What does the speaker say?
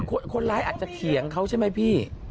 คนร้ายอาจจะเถียงเขาใช่ไหมพี่